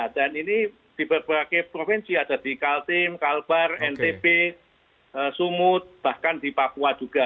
dan ini di berbagai provinsi ada di kaltim kalbar ntp sumut bahkan di papua juga